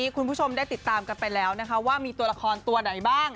คุณผู้ชมได้ติดตามกันไปแล้วนะคะว่ามีตัวละครตัวไหนบ้าง